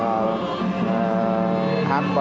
và sức khỏe